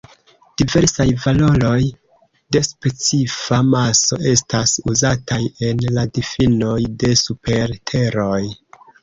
Diversaj valoroj de specifa maso estas uzataj en la difinoj de super-Teroj.